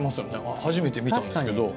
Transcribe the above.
初めて見たんですけど。